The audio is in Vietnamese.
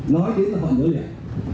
nói đến là họ nhớ liền